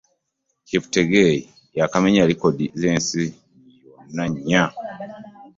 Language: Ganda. Cheptegei yaakamenya likodi zensi yonna nnya.